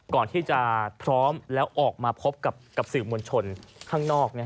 ก่อนที่จะพร้อมแล้วออกมาพบกับสื่อมวลชนข้างนอก